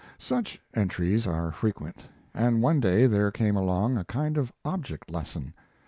Such entries are frequent, and one day there came along a kind of object lesson.